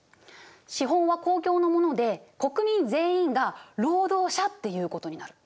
資本は公共のもので国民全員が労働者っていうことになる。